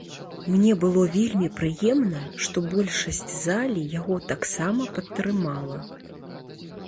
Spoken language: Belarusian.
Мне было вельмі прыемна, што большасць залі яго таксама падтрымала.